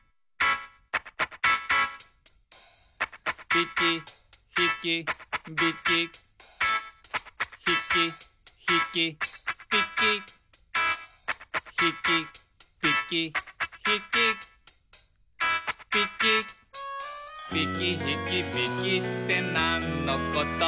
「ぴきひきびき」「ひきひきぴき」「ひきぴきひき」「ぴき」「ぴきひきびきってなんのこと？」